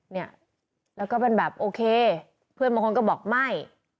เนี่ยแล้วก็เป็นแบบโอเคเพื่อนบางคนก็บอกไม่